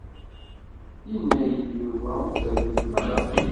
Yenna-yi-d Yuba ur terbiḥem ara.